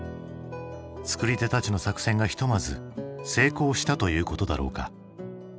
作り手たちの作戦がひとまず成功したということだろうか。